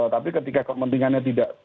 tapi ketika kepentingannya tidak